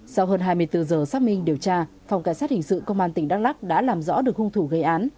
sau hơn hai mươi bốn giờ xác minh điều tra phòng cảnh sát hình sự công an tỉnh đắk lắc đã làm rõ được hung thủ gây án